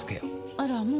あらもう？